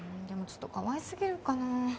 でもちょっとかわいすぎるかな？